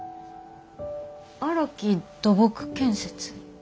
「荒木土木建設」。